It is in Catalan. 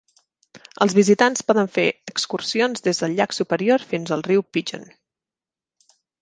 Els visitants poden fer excursions des del llac Superior fins al riu Pigeon.